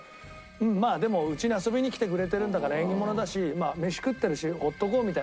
まあでもうちに遊びに来てくれてるんだから縁起ものだし飯食ってるし放っとこうみたいな感じになって。